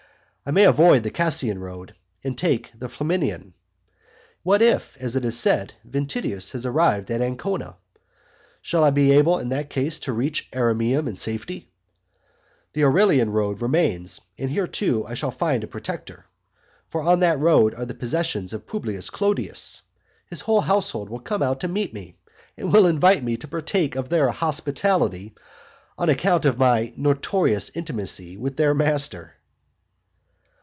I may avoid the Cassian road, and take the Flaminian. What if, as it is said, Ventidius has arrived at Ancona? Shall I be able in that case to reach Ariminum in safety? The Aurelian road remains and here too I shall find a, protector, for on that road are the possessions of Publius Clodius. His whole household will come out to meet me, and will invite me to partake of their hospitality, on account of my notorious intimacy with their master?